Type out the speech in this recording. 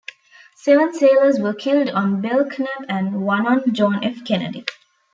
Seven sailors were killed on "Belknap" and one on "John F. Kennedy".